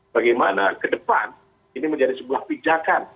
bagaimana ke depan ini menjadi sebuah pijakan